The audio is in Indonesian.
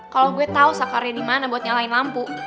kalau gue tau sakarnya dimana buat nyalain lampu